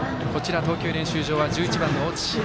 投球練習場は１１番の越智。